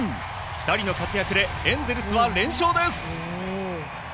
２人の活躍でエンゼルスは連勝です。